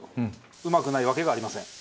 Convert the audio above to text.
うまくないわけがありません。